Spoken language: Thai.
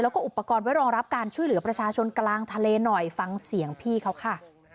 แล้วก็อุปกรณ์ไว้รองรับการช่วยเหลือประชาชนกลางทะเลหน่อยฟังเสียงพี่เขาค่ะ